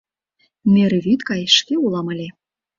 Мӧрӧ вӱд гай шке улам ыле.